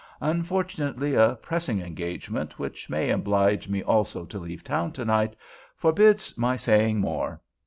Unfortunately, a pressing engagement, which may oblige me also to leave town to night, forbids my saying more.